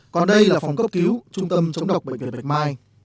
còn đây là phòng cấp cứu trung tâm chống độc bệnh viện bạch mai